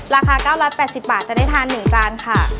ราคา๙๘๐บาทจะได้ทาน๑จานค่ะ